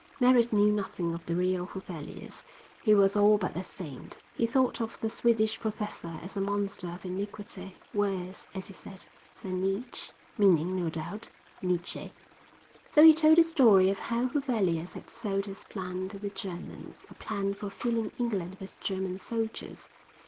Merritt knew nothing of the real Huvelius, who was all but a saint; he thought of the Swedish professor as a monster of iniquity, "worse," as he said, "than Neech"—meaning, no doubt, Nietzsche. So he told the story of how Huvelius had sold his plan to the Germans; a plan for filling England with German soldiers.